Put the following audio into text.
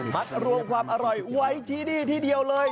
รวมความอร่อยไว้ที่นี่ที่เดียวเลย